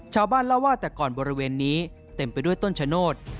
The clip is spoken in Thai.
ชาวบ้านเล่าว่าแต่ก่อนบริเวณนี้เต็มไปด้วยต้นชะโนธ